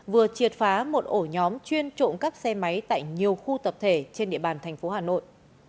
vừa triệt phá một ổ nhóm chuyên trộm cắp xe máy tại nhiều khu tập thể trên địa bàn thành phố hà nội